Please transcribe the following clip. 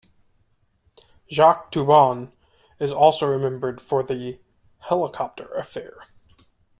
Jacques Toubon is also remembered for the "helicopter affair".